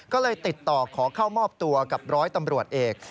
ก็เลยติดต่อขอเข้ามอบตัวกับร้อยตำรวจเอก